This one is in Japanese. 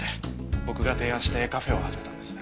僕が提案してカフェを始めたんです。